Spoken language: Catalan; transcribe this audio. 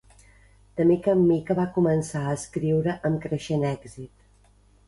De mica en mica va començar a escriure amb creixent èxit.